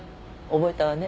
覚えたわね。